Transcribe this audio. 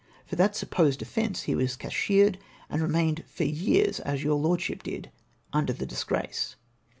For that supposed offence be was cashiered, and remained for years, as your lordship did, under tbe disgrace.